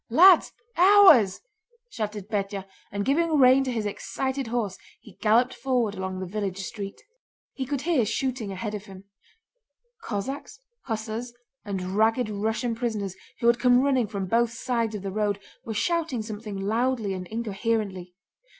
Lads!... ours!" shouted Pétya, and giving rein to his excited horse he galloped forward along the village street. He could hear shooting ahead of him. Cossacks, hussars, and ragged Russian prisoners, who had come running from both sides of the road, were shouting something loudly and incoherently.